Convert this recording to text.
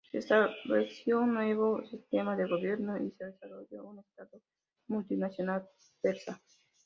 Se estableció un nuevo sistema de gobierno y se desarrolló un estado multinacional persa.